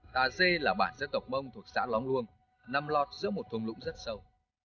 tà dê là bản dân tộc mông thuộc xã lóng luông nằm lọt giữa một thùng lũng rất sâu